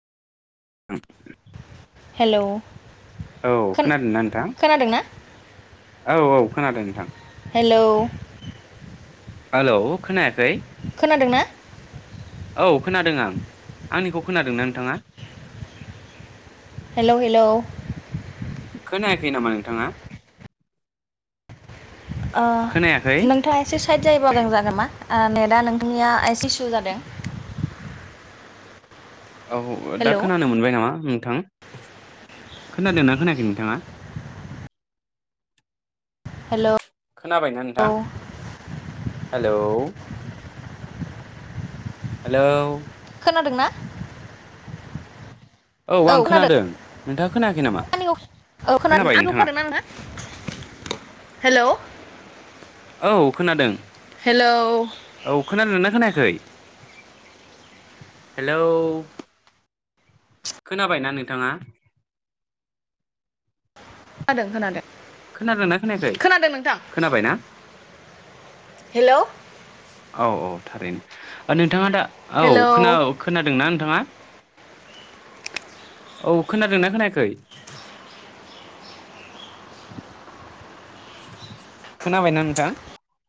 औ हेल' औ खोनादों ना नोंथां? औ औ खोनादों नोंथां। हेल' हेलौ खोनायाखै? खोनादों ना? औ खोनादों आं आंनिखौ खोनादोंना नोंथाङा हेल' हेल' खोनायाखै नामा नोंथाङा? ओ खोनायाखै नोंथाङा एसे साइड जायोबा मोजां जागोन नामा? ओ नेथा नोंथांनि या दुखु जादों। औ दा हेलौ खोनानो मोनबाय नामा? नोंथां खोनादों ना खोनायाखै नोंथाङा। हेल' खोनाबायना नोंथां? हेल' हेलौ खोनादोंना? औ आं खोनादों नोंथाङा खोनायाखै नामा आंनिखौ औ खोनादोंना खोनाबाय आंनिखौ नोंथाङा खोनादों आना हेल' औ खोनादों। हेलौ औ खोनादोंना खोनायाखै? हेलौ खोनाबायना नोंथाङा? खोनादों खोनादों। खोनादोंना खोनायाखै खोनादों नोंथां खोनाबाय ना? हेलौ औ औ थारैनो नोंथाङा दा औ हेलौ खोनाव खोनादोंना नोंथाङा? औ खोनादोंना खोनायाखै खोनाबायना नोंथां?